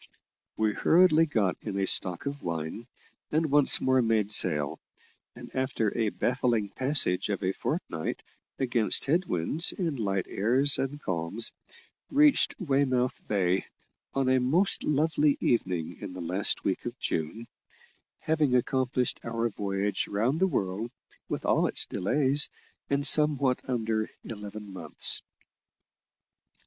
We hurriedly got in a stock of wine, and once more made sail, and after a baffling passage of a fortnight, against head winds and light airs and calms, reached Weymouth Bay on a most lovely evening in the last week of June, having accomplished our voyage round the world, with all its delays, in somewhat under eleven months.